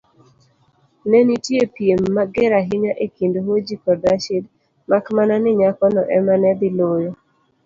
Nenitie piem mager ahinya ekind Haji kod Rashid, makmana ni nyakono ema nedhi loyo.